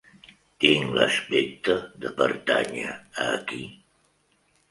Tinc l'aspecte de pertànyer a aquí?